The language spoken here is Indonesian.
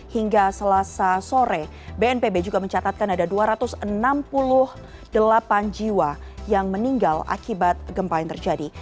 hingga selasa sore bnpb juga mencatatkan ada dua ratus enam puluh delapan jiwa yang meninggal akibat gempa yang terjadi